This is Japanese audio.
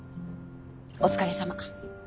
お疲れさま。